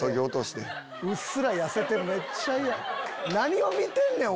何を見てんねん！